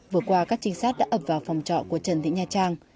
vừa qua các trinh sát đã ập vào phòng trọ của trần thị nha trang